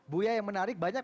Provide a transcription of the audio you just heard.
buya yang menarik